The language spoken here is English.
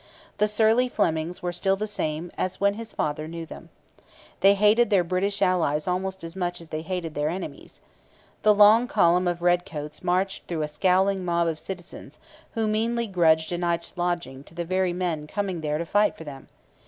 The surly Flemings were still the same as when his father knew them. They hated their British allies almost as much as they hated their enemies. The long column of redcoats marched through a scowling mob of citizens, who meanly grudged a night's lodging to the very men coming there to fight for them.